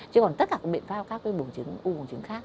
chứ còn tất cả các biện pháp các bổ chứng u bổ chứng khác